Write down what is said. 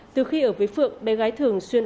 từ khi ở với phượng bé gái thường xuyên